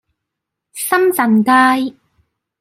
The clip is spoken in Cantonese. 深圳街